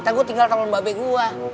ntar gue tinggal temen mba b gue